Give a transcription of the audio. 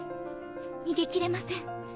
逃げきれません。